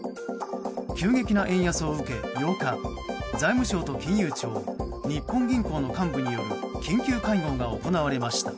急激な円安を受け、８日財務省と金融庁日本銀行の幹部による緊急会合が行われました。